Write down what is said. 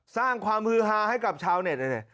สร้างความฮือฮาให้กับชาวเน็ต